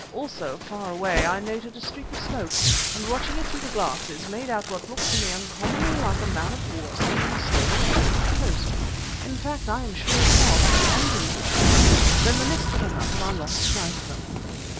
Also, far away, I noted a streak of smoke, and watching it through the glasses, made out what looked to me uncommonly like a man of war steaming slowly along the coast. In fact, I am sure it was, and English too. Then the mist came up and I lost sight of them."